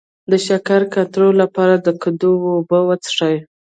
د شکر کنټرول لپاره د کدو اوبه وڅښئ